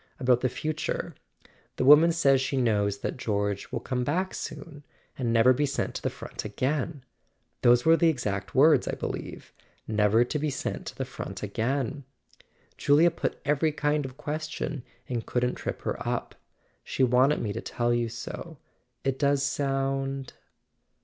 .. about the future. The woman says she knows that George will come back soon, and never be sent to the front again. Those were the exact words, I believe. Never be sent to the front again. Julia put every kind of question, and couldn't trip her up; she wanted me to tell you so. It does sound